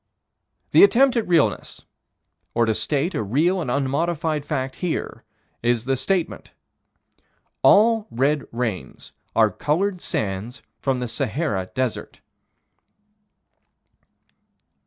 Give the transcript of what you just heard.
The attempt at realness, or to state a real and unmodified fact here, is the statement: All red rains are colored by sands from the Sahara Desert.